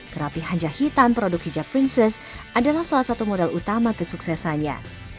kerapihan jahitan produk hijab princess adalah salah satu modal utama kesuksesannya